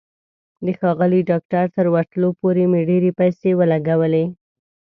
د ښاغلي ډاکټر تر ورتلو پورې مې ډېرې پیسې ولګولې.